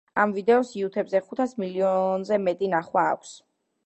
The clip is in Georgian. ამ ვიდეოს იუთუბზე ხუთას მილიონზე მეტი ნახვა აქვს.